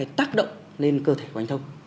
vì đánh đập hay tác động lên cơ thể của anh thông